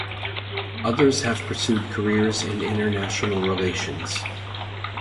Others have pursued careers in international relations.